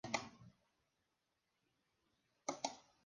En un inicio fue incluido como asociado'.